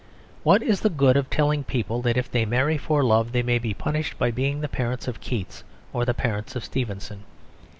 What is the good of telling people that if they marry for love, they may be punished by being the parents of Keats or the parents of Stevenson?